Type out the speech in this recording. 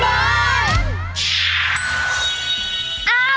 แม่บ้านประจำบ้าน